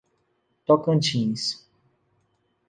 Tocantins